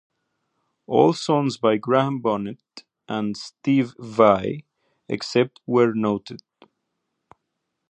All songs by Graham Bonnet and Steve Vai, except where noted.